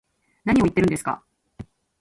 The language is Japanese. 何を言ってるんですか